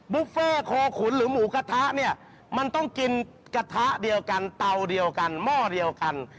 บุฟเฟ่คอขุนหรือหมูกระทะเนี่ยมันต้องกินกระทะเดียวกันเตาเดียวกันหม้อเดียวกัน